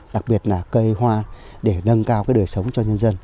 đặc biệt là cây hoa để nâng cao đời sống cho nhân dân